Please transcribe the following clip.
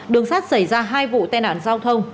đường sắt xảy ra hai vụ tai nạn giao thông